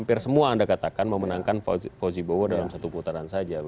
kalau kita katakan memenangkan fauzi bowo dalam satu putaran saja